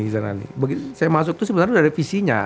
saya masuk tuh sebenarnya udah ada visinya